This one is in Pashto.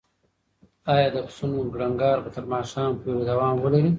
ایا د پسونو کړنګار به تر ماښامه پورې دوام ولري؟